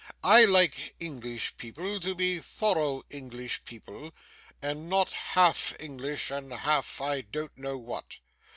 I like English people to be thorough English people, and not half English and half I don't know what.